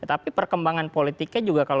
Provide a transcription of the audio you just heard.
tetapi perkembangan politiknya juga kalau di indonesia